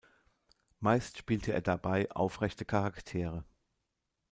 Meist spielte er dabei aufrechte Charaktere.